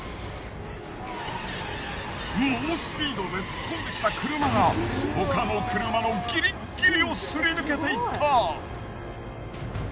猛スピードで突っ込んできた車が他の車のギリギリをすり抜けていった。